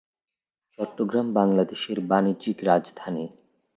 চট্টগ্রাম বাংলাদেশের বাণিজ্যিক রাজধানী।